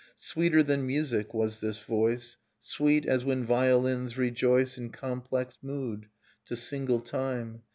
Sweeter than music was this voice: Sweet as when violins rejoice In complex mood, to single time.